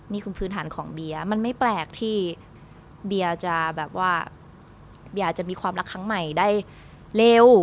พื้นฐานของเบียร์มันไม่แปลกที่เบียร์จะแบบว่าเบียอาจจะมีความรักครั้งใหม่ได้เร็ว